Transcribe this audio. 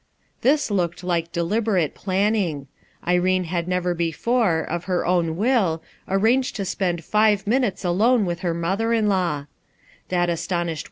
This looked like deliberate planning i^ had never before, of her own will, arran^ t spend five minutes alone with her mother in law That astonished wom.